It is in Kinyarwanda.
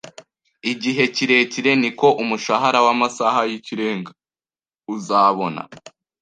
Igihe kirekire, niko umushahara w'amasaha y'ikirenga uzabona